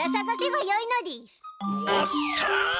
うおっしゃ！